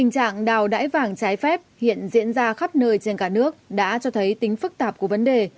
cải vàng trái phép hiện diễn ra khắp nơi trên cả nước đã cho thấy tính phức tạp của vấn đề